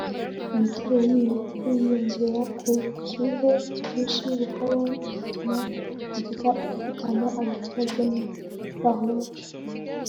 Imiterere y’ibi bihugu yiyongera ku bushyuhe bwinshi buhaba bugatuma mugiga ihitana abaturage baho benshi